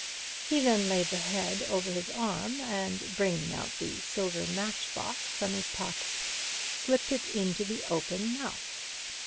He then laid the head over his arm, and bringing out the silver matchbox from his pocket, slipped it into the open mouth.